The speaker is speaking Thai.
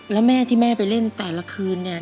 แล้วแม่ที่แม่ไปเล่นแต่ละคืนเนี่ย